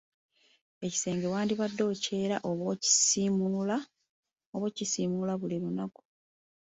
Ekisenge wandibadde okyera oba okukisimuula buli lunaku.